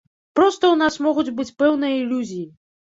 Проста ў нас могуць быць пэўныя ілюзіі.